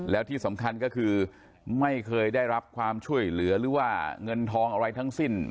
แล้วที่สำคัญก็คือไม่เคยได้รับความช่วยเหลือหรือว่าเงินทองอะไรทั้งสิ้น